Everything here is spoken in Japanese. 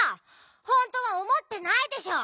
ほんとはおもってないでしょ！